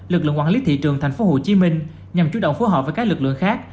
lực lượng quản lý thị trường tp hcm nhằm chủ động phối hợp với các lực lượng khác